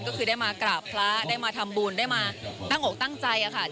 ก็คือได้มากราบพระได้มาทำบุญได้มาตั้งอกตั้งใจค่ะ